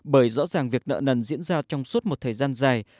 bởi rõ ràng việc nợ nần diễn ra trong suốt một thời gian dài